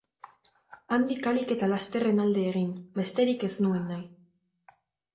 Handik ahalik eta lasterren alde egin, besterik ez nuen nahi.